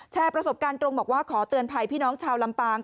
ประสบการณ์ตรงบอกว่าขอเตือนภัยพี่น้องชาวลำปาง